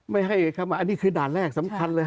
ไม่ให้ครับอันนี้คือด่านแรกสำคัญเลย